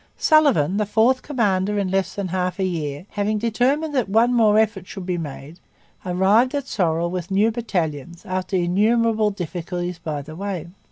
Sullivan, the fourth commander in less than half a year, having determined that one more effort should be made, arrived at Sorel with new battalions after innumerable difficulties by the way.